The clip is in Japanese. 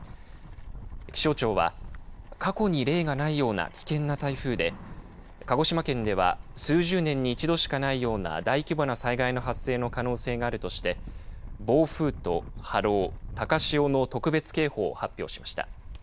気象庁は過去に例がないような危険な台風で鹿児島県では数十年に一度しかないような大規模な災害の発生の可能性があるとして暴風と波浪高潮の特別警報を発表しました。